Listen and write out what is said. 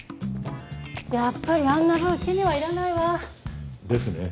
やっぱりあんな部うちにはいらないわ。ですね。